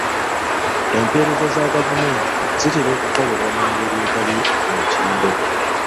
Empeereza za gavumenti zitera okukolebwa mu ngeri etali ku mutindo.